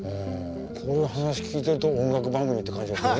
そういう話聞いてると音楽番組って感じがするね。